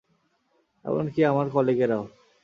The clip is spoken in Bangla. এমনকি আমার কলিগেরাও।